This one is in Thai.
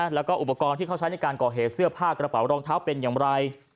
แล้วก็อุปกรณ์ที่เขาใช้ในการก่อเหตุเสื้อผ้ากระเป๋ารองเท้าเป็นอย่างไร